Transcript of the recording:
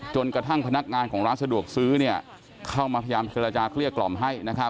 จนกระทั่งพนักงานของร้านสะดวกซื้อเข้ามาพยายามเจรจาเกลี้ยกล่อมให้